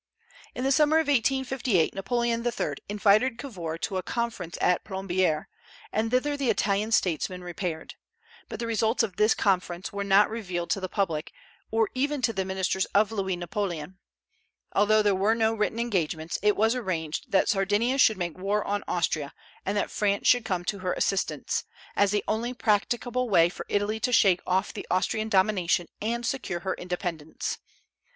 In the summer of 1858 Napoleon III. invited Cavour to a conference at Plombières, and thither the Italian statesman repaired; but the results of the conference were not revealed to the public, or even to the ministers of Louis Napoleon. Although there were no written engagements, it was arranged that Sardinia should make war on Austria and that France should come to her assistance, as the only practicable way for Italy to shake off the Austrian domination and secure her independence.